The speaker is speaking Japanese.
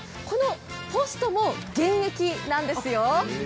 このポストも現役なんですよ。